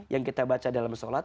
yang kita baca dalam sholat